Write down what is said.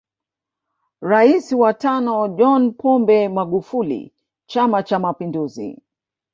Rais wa tano John Pombe Magufuli chama cha mapinduzi